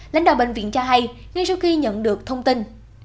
lãnh đạo bệnh viện cho hay ngay sau khi nhận được thông tin